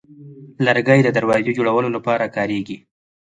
لرګی د دروازې جوړولو لپاره کارېږي.